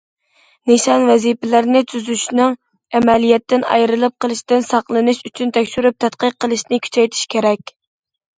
نىشان، ۋەزىپىلەرنى تۈزۈشنىڭ ئەمەلىيەتتىن ئايرىلىپ قېلىشىدىن ساقلىنىش ئۈچۈن تەكشۈرۈپ تەتقىق قىلىشنى كۈچەيتىش كېرەك.